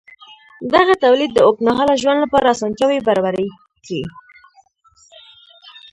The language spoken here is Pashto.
دغه تولید د اوږدمهاله ژوند لپاره اسانتیاوې برابرې کړې.